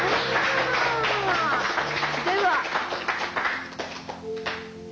では。